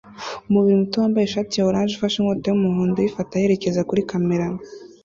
Umubiri muto wambaye ishati ya orange ufashe inkota yumuhondo uyifata yerekeza kuri kamera